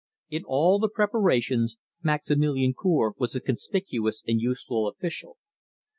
In all the preparations Maximilian Cour was a conspicuous and useful official.